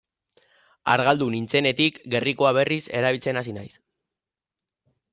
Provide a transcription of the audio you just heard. Argaldu nintzenetik gerrikoa berriz erabiltzen hasi naiz.